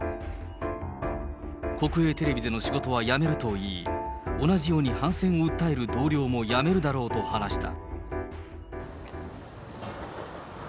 国営テレビでの仕事は辞めるといい、同じように反戦を訴える同僚も辞めるだろうと話した。